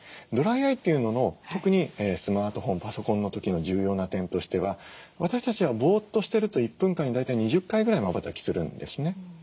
ドライアイというのの特にスマートフォンパソコンの時の重要な点としては私たちはぼっとしてると１分間に大体２０回ぐらいまばたきするんですね。